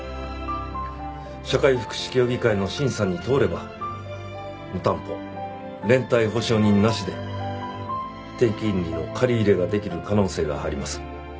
社会福祉協議会の審査に通れば無担保連帯保証人なしで低金利の借り入れができる可能性があります。